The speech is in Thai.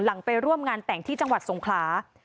ไปร่วมงานแต่งที่จังหวัดสงขลา